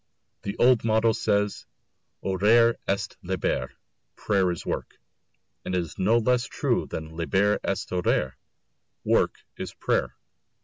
The old motto says, "Orare est laborare," "prayer is work" and it is no less true that "laborare est orare," "work is prayer."